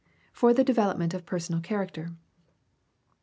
For the development of personal character.